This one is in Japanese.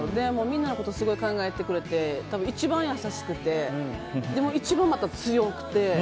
みんなのことすごい考えてくれて一番優しくてまた一番強くて。